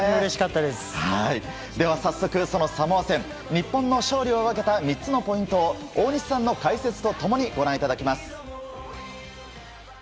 では、サモア戦日本の勝利を分けた３つのポイントを大西さんの解説と共にご覧いただきます。